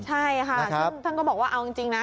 ใช่ค่ะซึ่งท่านก็บอกว่าเอาจริงนะ